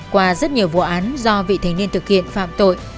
qua rất nhiều vụ án do vị thanh niên thực hiện phạm tội